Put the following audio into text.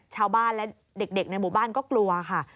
ชาวบ้านและเด็กในหมู่บ้านก็กลัวค่ะ